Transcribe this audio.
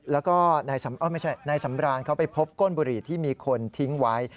แล้วก็นายสำรานเขาไปพบก้นบุหรี่ที่มีคนทิ้งไว้